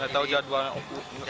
gak tau jadwal